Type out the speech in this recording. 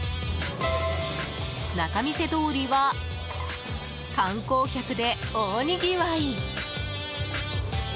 仲見世通りは観光客で大にぎわい。